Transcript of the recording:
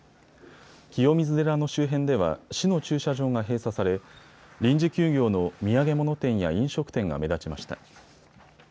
清水寺の周辺では市の駐車場が閉鎖され臨時休業の土産物店や飲食店が目立ちました。